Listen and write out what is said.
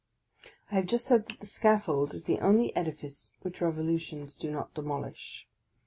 I have just said that the scaffold is the only edifice which revolutions do not demolish.